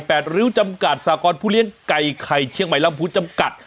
ริ้วจำกัดสากรผู้เลี้ยงไก่ไข่เชียงใหม่ลำพูจำกัด